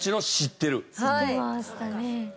知ってましたね。